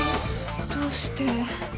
どうして？